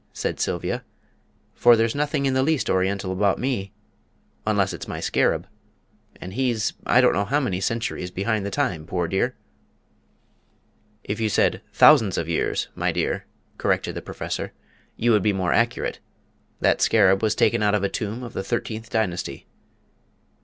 said Sylvia, "for there's nothing in the least Oriental about me unless it's my scarab and he's I don't know how many centuries behind the time, poor dear!" "If you said 'thousands of years,' my dear," corrected the Professor, "you would be more accurate. That scarab was taken out of a tomb of the thirteenth dynasty."